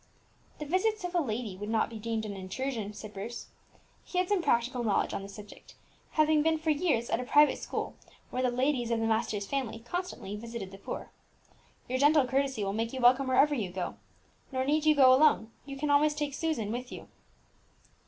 "The visits of a lady would not be deemed an intrusion," said Bruce. He had some practical knowledge on the subject, having been for years at a private school where the ladies of the master's family constantly visited the poor. "Your gentle courtesy will make you welcome wherever you go. Nor need you go alone, you can always take Susan with you."